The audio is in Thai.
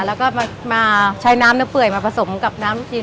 แล้วก็มาใช้น้ำเนื้อเปื่อยมาผสมกับน้ำจิ้ม